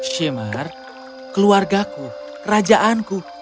shimmer keluarga ku kerajaanku